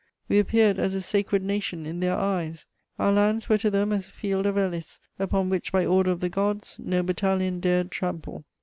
We appeared as a sacred nation in their eyes; our lands were to them as a field of Elis upon which, by order of the gods, no battalion dared trample.